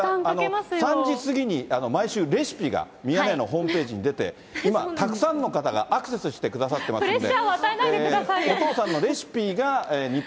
３時過ぎに毎週レシピが、ミヤネ屋のホームページに出て、今、たくさんの方がアクセスしてくださってますんで。